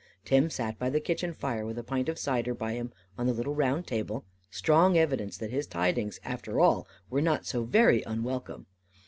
Tim sat by the kitchen fire with a pint of cider by him on the little round table; strong evidence that his tidings, after all, were not so very unwelcome.